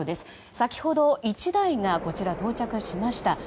先ほど、１台がこちら、到着しました。